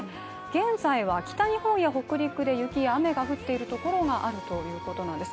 現在は北日本や北陸で雪や雨が降っているところがあるということなんです。